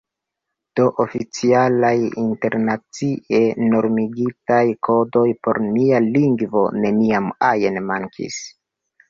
Do oficialaj internacie normigitaj kodoj por nia lingvo neniam ajn mankis.